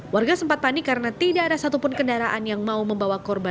warga sempat panik karena tidak ada satupun kendaraan yang mau membawa korban